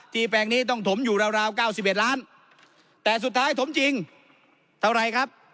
ที่แปลงนี้ต้องถมอยู่ราวราวเก้าสิบเอ็ดล้านแต่สุดท้ายถมจริงเท่าไรครับ